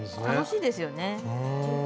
楽しいですよね。